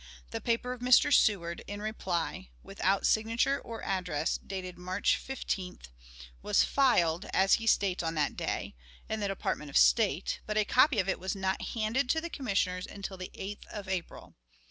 The paper of Mr. Seward, in reply, without signature or address, dated March 15th, was "filed," as he states, on that day, in the Department of State, but a copy of it was not handed to the Commissioners until the 8th of April.